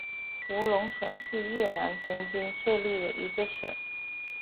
福隆省是越南曾经设立的一个省。